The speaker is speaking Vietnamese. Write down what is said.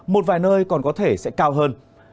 một vài nơi còn có thể sẽ cao hơn